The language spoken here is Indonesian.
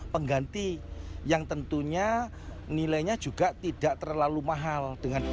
pengganti yang tentunya nilainya juga tidak terlalu mahal